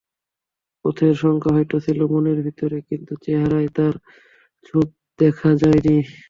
পথের শঙ্কা হয়তো ছিল মনের ভেতরে, কিন্তু চেহারায় তার ছাপ দেখা যায়নি।